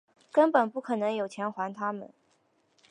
根本不可能有钱还他们